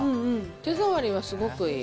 手触りはすごくいい。